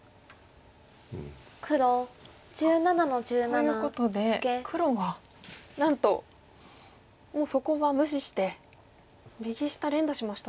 あっということで黒はなんともうそこは無視して右下連打しましたね。